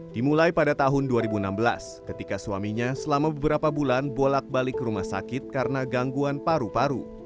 dimulai pada tahun dua ribu enam belas ketika suaminya selama beberapa bulan bolak balik ke rumah sakit karena gangguan paru paru